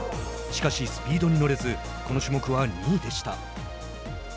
しかし、スピードに乗れずこの種目は２位でした。